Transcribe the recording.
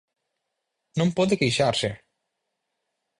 ¡Non pode queixarse!